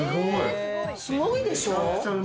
すごいでしょ。